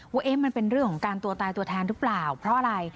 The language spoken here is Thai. ว่ามันเป็นเรื่องของการตัวตายตัวแทนหรือเปล่าเพราะอะไร